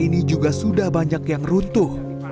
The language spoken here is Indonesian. ini juga sudah banyak yang runtuh